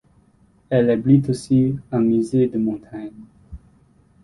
Elle abrite aussi un Musée de Montagne.